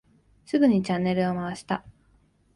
すぐにチャンネルを回した。